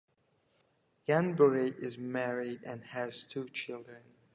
Ghanbari is married and has two children.